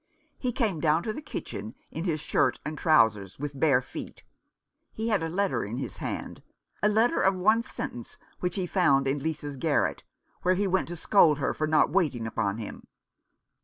He came down to the kitchen in his shirt and trousers, with bare feet ; he had a letter in his hand, a letter of one sentence which he had found in Lisa's garret, where he went to scold her for not waiting upon him.